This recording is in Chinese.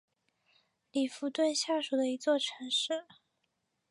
里弗顿下属的一座城市。